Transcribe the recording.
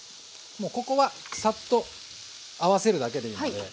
もうここはさっと合わせるだけでいいので。